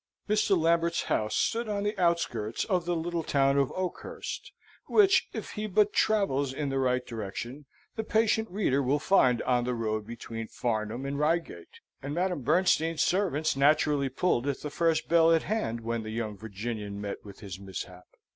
Mr. Lambert's house stood on the outskirts of the little town of Oakhurst, which, if he but travels in the right direction, the patient reader will find on the road between Farnham and Reigate, and Madame Bernstein's servants naturally pulled at the first bell at hand, when the young Virginian met with his mishap.